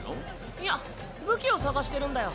いや武器を捜してるんだよ。